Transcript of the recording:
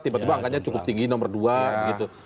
tiba tiba angkanya cukup tinggi nomor dua gitu